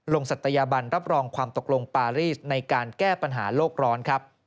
ศัตยาบันรับรองความตกลงปารีสในการแก้ปัญหาโลกร้อนครับ